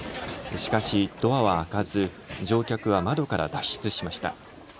しかし、ドアは開かず乗客は窓から脱出しました。